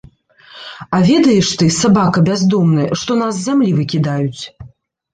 А ведаеш ты, сабака бяздомны, што нас з зямлі выкідаюць?